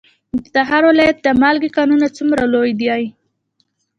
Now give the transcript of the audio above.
د تخار ولایت د مالګې کانونه څومره لوی دي؟